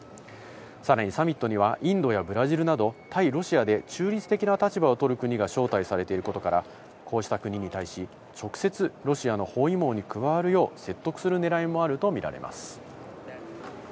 さらにサミットには、インドやブラジルなど、対ロシアで中立的な立場を取る国が招待されていることから、こうした国に対し、直接ロシアの包囲網に加わるよう説得する狙いもあるとみられます。